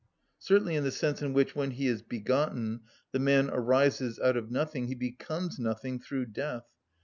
Certainly in the sense in which, when he is begotten, the man arises out of nothing, he becomes nothing through death.